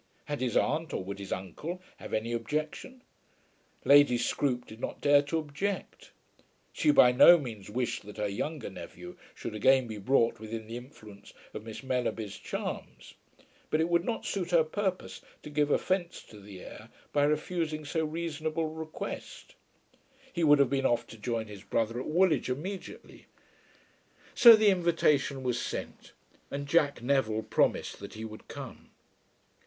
Had his aunt, or would his uncle have, any objection? Lady Scroope did not dare to object. She by no means wished that her younger nephew should again be brought within the influence of Miss Mellerby's charms; but it would not suit her purpose to give offence to the heir by refusing so reasonable request. He would have been off to join his brother at Woolwich immediately. So the invitation was sent, and Jack Neville promised that he would come.